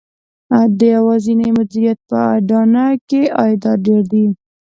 د یوازېني مدیریت په اډانه کې عایدات ډېر دي